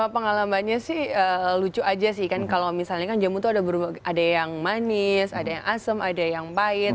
pengalaman nya sih lucu aja sih kan kalau misalnya kan jamu itu ada berbagai ada yang manis ada yang asem ada yang pahit